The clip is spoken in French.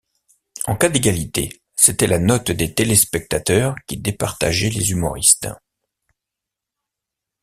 En cas d'égalité, c'était la note des téléspectateurs qui départageait les humoristes.